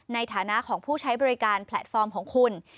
ในฐานะของผู้ใช้บริการแพลตฟอร์มของคุณ